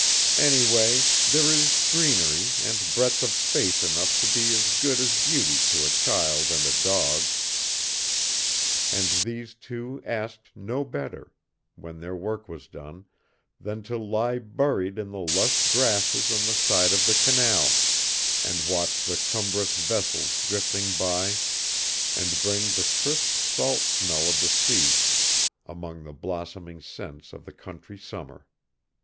Anyway, there is greenery and breadth of space enough to be as good as beauty to a child and a dog; and these two asked no better, when their work was done, than to lie buried in the lush grasses on the side of the canal, and watch the cumbrous vessels drifting by and bring the crisp salt smell of the sea among the blossoming scents of the country summer.